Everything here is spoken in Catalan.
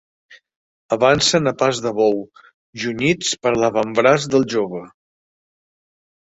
Avancen a pas de bou, junyits per l'avantbraç del jove.